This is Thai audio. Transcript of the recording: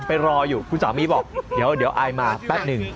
รออยู่คุณสามีบอกเดี๋ยวอายมาแป๊บหนึ่ง